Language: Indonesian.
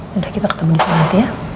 ya udah kita ketemu disana nanti ya